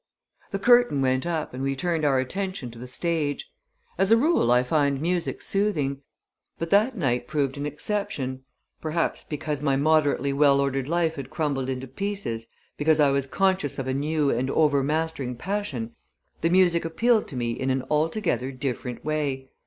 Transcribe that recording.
The curtain went up and we turned our attention to the stage. As a rule I find music soothing; but that night proved an exception perhaps because my moderately well ordered life had crumbled into pieces; because I was conscious of a new and overmastering passion the music appealed to me in an altogether different way.